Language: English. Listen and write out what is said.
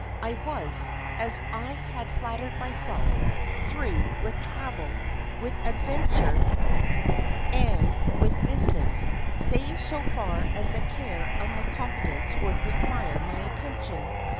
I was, as I had flattered myself, through with travel, with adventure, and with business, save so far as the care of my competence would require my attention.